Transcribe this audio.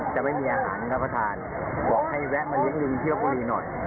จะไปไมบีอาหารอะพระธานบอกให้แวะมาลิงกี่ลิงที่ตรงปุ่นีหน่อย